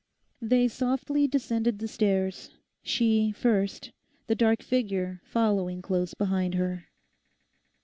They softly descended the stairs; she first, the dark figure following close behind her.